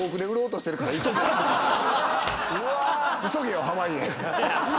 「急げよ濱家！」